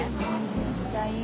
めっちゃいい。